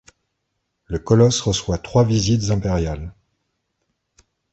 Le colosse reçoit trois visites impériales.